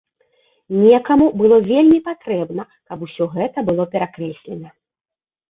Некаму было вельмі патрэбна, каб усё гэта было перакрэслена.